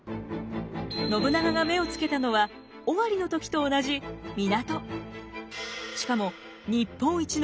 信長が目をつけたのは尾張の時と同じ港。